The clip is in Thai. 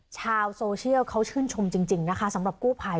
ชาวโซเชียลเขาชื่นชมจริงนะคะสำหรับกู้ภัย